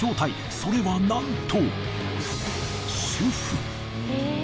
それはなんと！